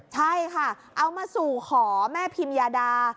ใช่ค่ะเอามาสู่ขอแม่พิมยาดา